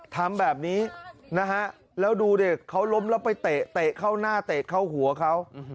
ทำแบบนี้นะฮะแล้วดูดิเขาล้มแล้วไปเตะเข้าหน้าเตะเข้าหัวเขา